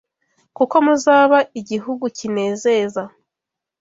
kuko muzaba igihugu kinezeza.